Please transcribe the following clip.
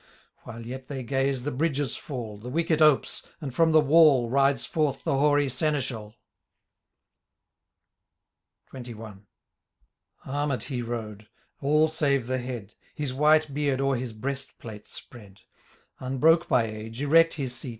While yet they gaze, the bridges fall. The wicket opes, and from the wall Rides forth the hoary Seneschal XXI. Armed he rode, all save the head. His white beard o'er his breast plate spread ; Unbroke by age, erect his seat.